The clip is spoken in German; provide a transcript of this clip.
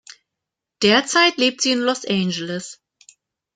Derzeit lebt sie in Los Angeles.